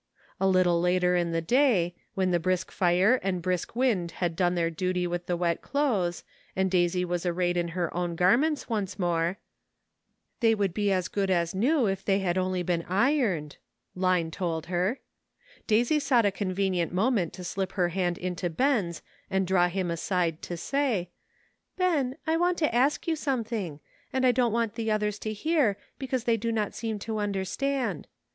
A little later in the day, when the brisk fire and brisk wind had done their duty with the wet clothes, and Daisy was arrayed in her own garments once more —" They would be as good as new if they had only been ironed," Line told her — Daisy sought a convenient moment to slip her hand into Ben's and draw him aside to say, " Ben, I want to ask you something, and I don't want the others to hear, because they do not seem to understand.